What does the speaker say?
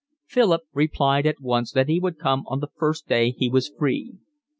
Philip replied at once that he would come on the first day he was free.